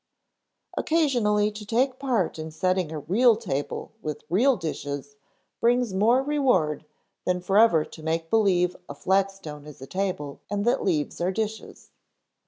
Occasionally to take part in setting a "real" table with "real" dishes brings more reward than forever to make believe a flat stone is a table and that leaves are dishes.